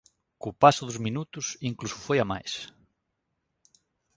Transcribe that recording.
Co paso dos minutos, incluso foi a máis.